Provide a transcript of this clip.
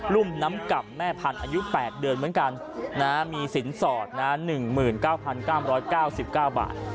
รุ่นน้ำกล่ำแม่พันอายุแปดเดือนเหมือนกันนะฮะมีสินสอดนะฮะหนึ่งหมื่นเก้าพันก้ามร้อยเก้าสิบเก้าบาท